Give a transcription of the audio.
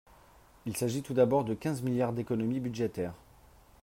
Il s’agit tout d’abord de quinze milliards d’économies budgétaires.